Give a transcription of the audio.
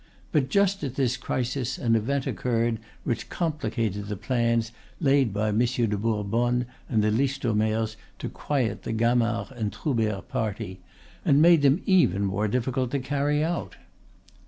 But just at this crisis an event occurred which complicated the plans laid by Monsieur de Bourbonne and the Listomeres to quiet the Gamard and Troubert party, and made them more difficult to carry out.